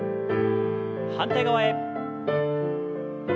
反対側へ。